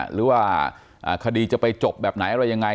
หรือว่าคดีจะไปจบแบบไหนอะไรยังไง